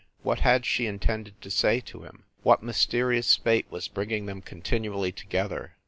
what had she intended to say to him? what mysterious fate was bringing them continually together?